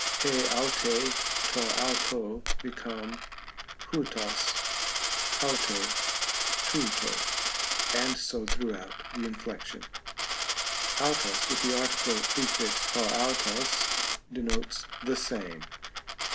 rj avnj, to avro, become ovrog, auT77, Tovro, and so throughout the inflection, avros with the article prefixed (6 avros) denotes " the same."